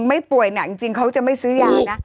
ไม่ป่วยหนักจริงเขาจะไม่ซื้อยานะ